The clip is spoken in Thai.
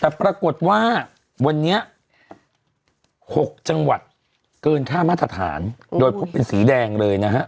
แต่ปรากฏว่าวันนี้๖จังหวัดเกินค่ามาตรฐานโดยพบเป็นสีแดงเลยนะฮะ